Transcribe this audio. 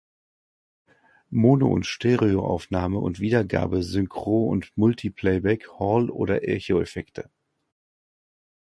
Mono- und Stereo-Aufnahme und -Wiedergabe, Synchro- und Multi-Playback, Hall- oder Echo-Effekte.